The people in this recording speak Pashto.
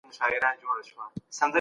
د احتکار مخه نیول د هر چا دنده ده.